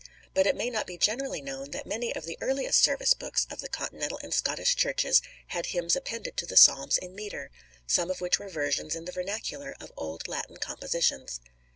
But it may not be generally known that many of the earliest service books of the Continental and Scottish Churches had hymns appended to the Psalms in metre, some of which were versions in the vernacular of old Latin compositions.